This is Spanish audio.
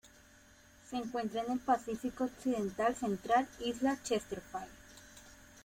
Se encuentra en el Pacífico occidental central: isla Chesterfield.